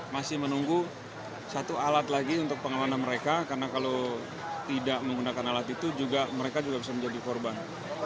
masih menunggu satu alat lagi untuk pengamanan mereka karena kalau tidak menggunakan alat itu mereka juga bisa menjadi korban